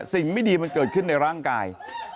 สิ่งไม่ดีมันเกิดขึ้นในร่างกาย